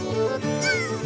ゴー！